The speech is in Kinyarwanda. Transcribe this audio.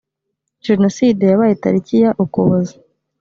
jenoside yabaye tariki ya ukuboza